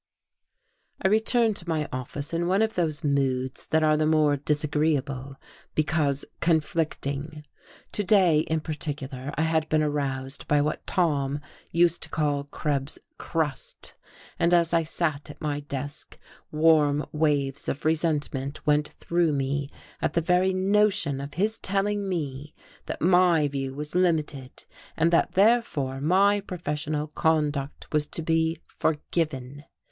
I returned to my office in one of those moods that are the more disagreeable because conflicting. To day in particular I had been aroused by what Tom used to call Krebs's "crust," and as I sat at my desk warm waves of resentment went through me at the very notion of his telling me that my view was limited and that therefore my professional conduct was to be forgiven!